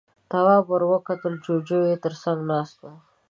تواب ور وکتل، جُوجُو يې تر څنګ ناست و.